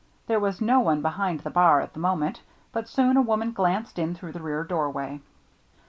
There was no one behind the bar at the moment, but soon a woman glanced in through the rear doorway.